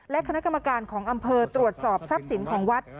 และคณะกรรมการของอำเภอตรวจสอบทรัพย์สินของวัด